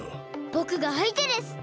ぼくがあいてです！